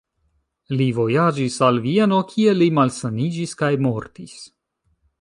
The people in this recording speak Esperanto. Li vojaĝis al Vieno, kie li malsaniĝis kaj mortis.